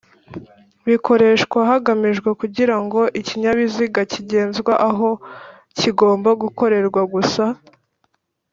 bikoreshwa hagamijwe Kugirango ikinyabiziga kigezwe aho kigomba gukorerwa gusa